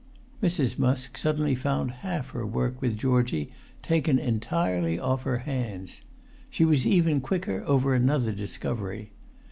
Mrs. Musk suddenly found half her work with Georgie taken entirely off her hands. She was even quicker over another discovery.